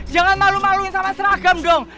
jangan malu maluin sama seragam dong